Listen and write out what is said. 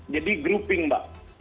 jadi grouping mbak